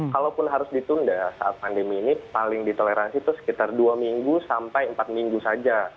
kalaupun harus ditunda saat pandemi ini paling ditoleransi itu sekitar dua minggu sampai empat minggu saja